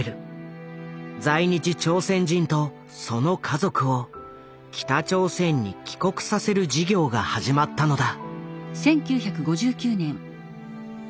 在日朝鮮人とその家族を北朝鮮に帰国させる事業が始まったのだ。